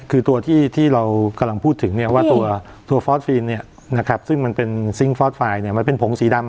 คือตัวที่เรากำลังพูดถึงว่าตัวฟอสฟีนซิงค์ฟอสไฟล์มันเป็นผงสีดำ